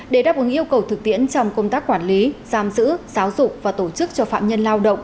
để đáp ứng yêu cầu thực tiễn trong công tác quản lý giam giữ giáo dục và tổ chức cho phạm nhân lao động